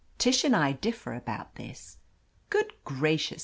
Tish and I differ about this. "Good gracious.